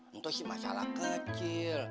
itu sih masalah kecil